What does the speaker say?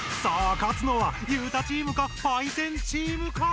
勝つのは裕太チームかパイセンチームか！？